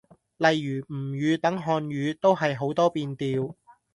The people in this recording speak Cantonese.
例如吳語等漢語，都係好多變調